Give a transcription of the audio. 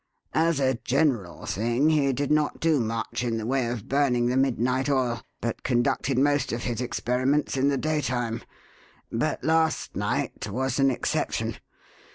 As a general thing, he did not do much in the way of burning the midnight oil, but conducted most of his experiments in the daytime. But last night was an exception.